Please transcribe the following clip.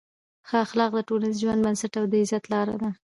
ښه اخلاق د ټولنیز ژوند بنسټ او د عزت لار ده.